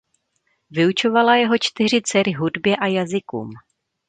Vyučovala jeho čtyři dcery hudbě a jazykům.